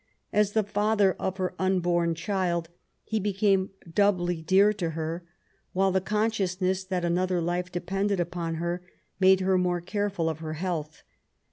As the father of her unborn child he became doubly dear to her, while the consciousness that another life depended upon her made her more careful of her health.